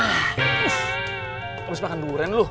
kamu harus makan durian loh